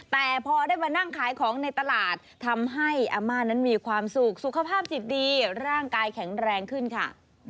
แต่พอได้มานั่งขายของในตลาดทำให้อาม่านั้นมีความสุขสุขภาพจิตดีร่างกายแข็งแรงขึ้นค่ะ